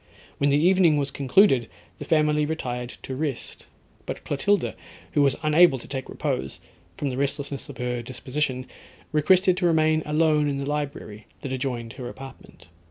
When the evening was concluded, the family retired to rest; but Clotilda, who was unable to take repose, from the restlessness of her disposition, requested to remain alone in the library that adjoined her apartment.